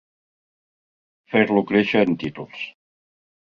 Fer-lo créixer en títols.